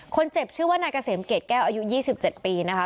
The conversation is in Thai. คนเจ็บชื่อว่านายกาเสมเกดแก้วอายุ๒๗ปีนะคะ